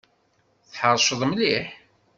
Tḥeṛceḍ mliḥ!